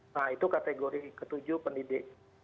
nah itu kategori ketujuh pendidik